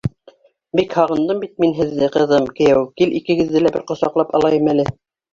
Бик һағындым бит мин һеҙҙе, ҡыҙым, кейәү, кил икегеҙҙе лә бер ҡосаҡлап алайым әле!